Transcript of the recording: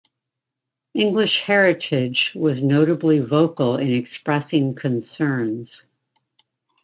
English Heritage was notably vocal in expressing concerns.